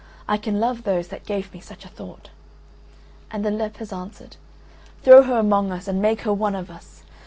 I can love those that gave me such a thought." And the lepers answered: "Throw her among us, and make her one of us.